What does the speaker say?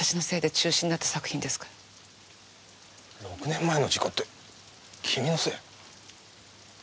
６年前の事故って君のせい？